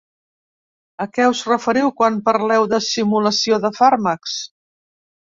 A què us referiu quan parleu de simulació de fàrmacs?